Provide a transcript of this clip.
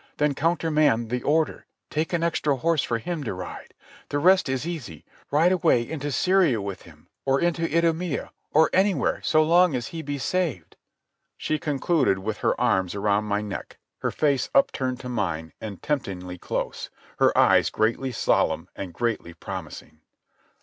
Then countermand the order. Take an extra horse for Him to ride. The rest is easy. Ride away into Syria with Him, or into Idumæa, or anywhere so long as He be saved." She concluded with her arms around my neck, her face upturned to mine and temptingly close, her eyes greatly solemn and greatly promising.